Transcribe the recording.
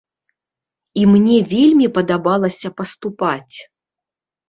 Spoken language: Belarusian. І мне вельмі падабалася паступаць!